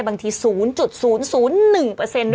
บางที๐๐๐๑ด้วยซ้ำ